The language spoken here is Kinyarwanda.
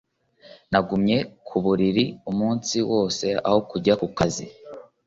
Nagumye mu buriri umunsi wose aho kujya ku kazi